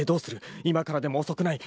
今からでも遅くない。